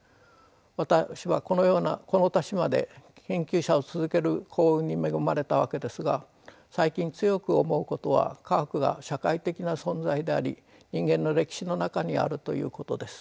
私はこのようなこの年まで研究者を続ける幸運に恵まれたわけですが最近強く思うことは科学が社会的な存在であり人間の歴史の中にあるということです。